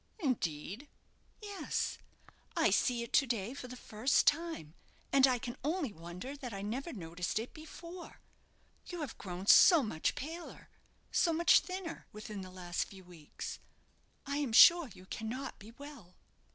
"Indeed!" "Yes; I see it to day for the first time, and I can only wonder that I never noticed it before. You have grown so much paler, so much thinner, within the last few weeks. I am sure you cannot be well."